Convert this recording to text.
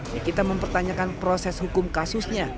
nikita mempertanyakan proses hukum kasusnya